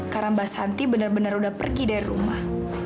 karena mbak santi benar benar udah pergi dari rumah